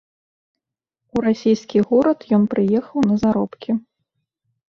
У расійскі горад ён прыехаў на заробкі.